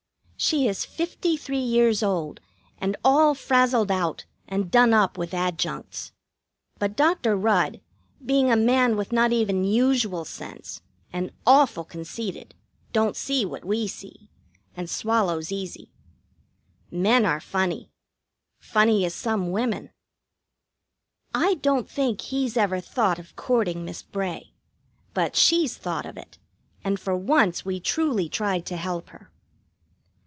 She is fifty three years old, and all frazzled out and done up with adjuncts. But Dr. Rudd, being a man with not even usual sense, and awful conceited, don't see what we see, and swallows easy. Men are funny funny as some women. I don't think he's ever thought of courting Miss Bray. But she's thought of it, and for once we truly tried to help her.